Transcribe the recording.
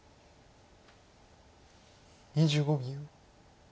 ２５秒。